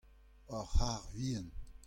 ur c'har vihan.